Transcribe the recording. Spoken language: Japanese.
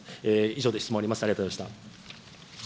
以上で質問終わります。